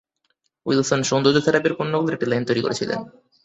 Wilson সৌন্দর্য থেরাপির পণ্যগুলির একটি লাইন তৈরি করেছিলেন।